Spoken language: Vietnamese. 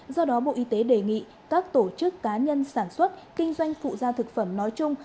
do đó bộ y tế đề nghị các tổ chức cá nhân sản xuất kinh doanh phụ gia thực phẩm nói chung